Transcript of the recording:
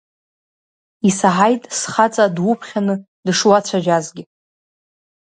Исаҳаит схаҵа дуԥхьаны дышуацәажәазгьы!